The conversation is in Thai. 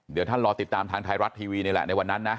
เดี๋ยวท่านรอติดตามทางไทยรัฐทีวีนี่แหละในวันนั้นนะ